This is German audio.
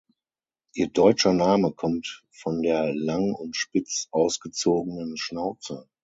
Ihr deutscher Name kommt von der lang und spitz ausgezogenen Schnauze.